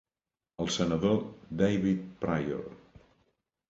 El senador David Pryor.